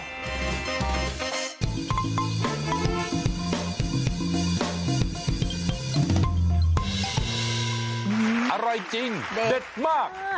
อร่อยจริงเด็ดมาก